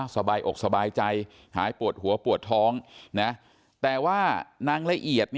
สบายอกสบายใจหายปวดหัวปวดท้องแต่ว่านางละเอียด